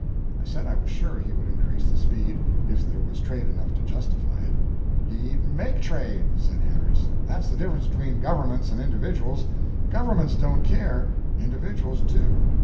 I said I was sure he would increase the speed, if there was trade enough to justify it. "He'd MAKE trade," said Harris. "That's the difference between governments and individuals. Governments don't care, individuals do.